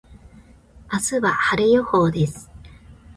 明日は晴れ予報です。